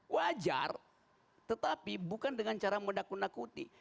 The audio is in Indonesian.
wajar tetapi bukan dengan cara menakutin